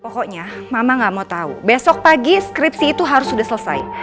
pokoknya mama gak mau tahu besok pagi skripsi itu harus sudah selesai